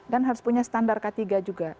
dan harus punya standar k tiga juga